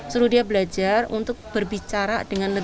suruh dia belajar untuk berbicara dengan negara